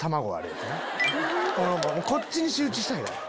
こっちに集中したいから。